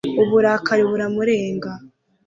uburakari buramurenga